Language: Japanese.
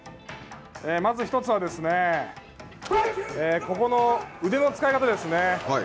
まず１つはここの腕の使い方ですね。